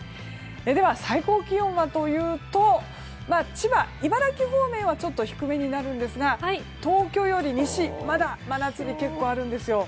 では最高気温はというと千葉、茨城方面はちょっと低めになるんですが東京より西、まだ真夏日結構あるんですよ。